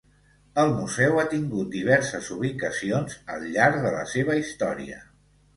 El Museu ha tingut diverses ubicacions al llarg de la seva història.